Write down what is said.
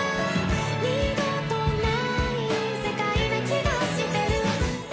「二度とない世界な気がしてる」